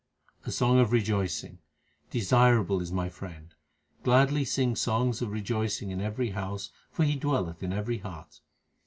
A song of rejoicing : Desirable is my Friend ; Gladly sing songs of rejoicing in every house for He dwelleth in every heart.